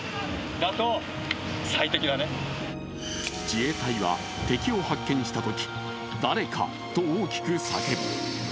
自衛隊は敵を発見したとき「誰か」と大きく叫ぶ。